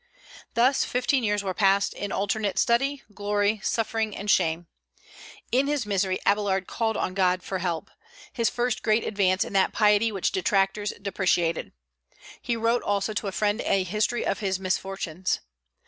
Thus fifteen years were passed in alternate study, glory, suffering, and shame. In his misery Abélard called on God for help, his first great advance in that piety which detractors depreciated. He wrote also to a friend a history of his misfortunes.